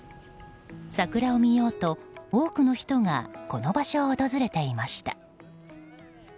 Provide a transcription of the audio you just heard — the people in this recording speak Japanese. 桜を見ようと、多くの人がこの場所を訪れていました。